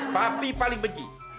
papi paling benci